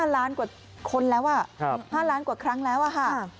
ล้านกว่าคนแล้ว๕ล้านกว่าครั้งแล้วอะค่ะ